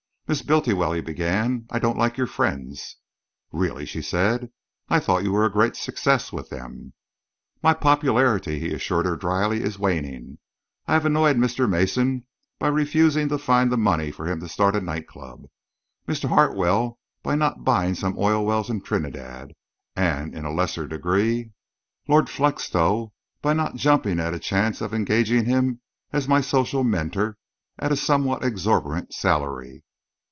"Miss Bultiwell," he began, "I don't like your friends." "Really?" she said. "I thought you were a great success with them." "My popularity," he assured her drily, "is waning. I have annoyed Mr. Mason by refusing to find the money for him to start a night club, Mr. Hartwell by not buying some oil wells in Trinidad, and, in a lesser degree, Lord Felixstowe by not jumping at the chance of engaging him as my social mentor at a somewhat exorbitant salary."